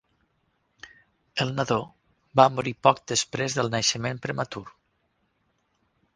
El nadó va morir poc després del naixement prematur.